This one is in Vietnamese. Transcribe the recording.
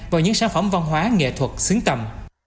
vào những sản phẩm văn hóa nghệ thuật xứng tầm